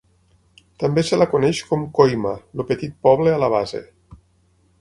També se la coneix com Koyma, el petit poble a la base.